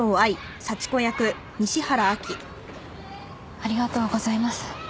ありがとうございます。